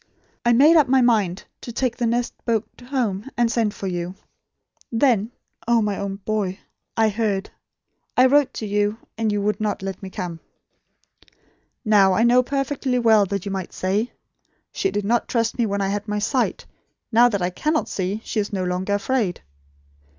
I made up my mind to take the next boat home, and send for you. Then oh, my own boy I heard. I wrote to you; and you would not let me come." "Now I know perfectly well, that you might say: 'She did not trust me when I had my sight. Now that I cannot see, she is no longer afraid.'